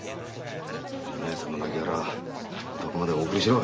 美濃屋さんの亡き骸お宅までお送りしろ。